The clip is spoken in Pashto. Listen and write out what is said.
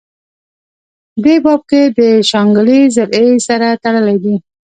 دې باب کې دَشانګلې ضلعې سره تړلي